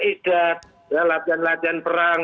edad latihan latihan perang